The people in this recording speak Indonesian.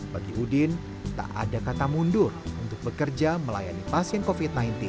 bagi udin tak ada kata mundur untuk bekerja melayani pasien covid sembilan belas